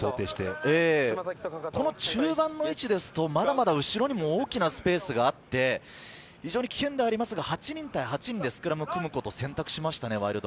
中盤の位置ですと、まだまだ後ろにも大きなスペースがあって、非常に危険ではありますが８人対８人でスクラムを組むことを選択しましたね。